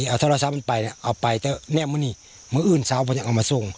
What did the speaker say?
เอาโทรศัพท์มันไปเนี่ยเอาไปเต๋อแน่มูนี่มึงอื่นซาวปะเนี่ยเอามาส่ง